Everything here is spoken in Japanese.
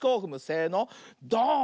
せのドーン！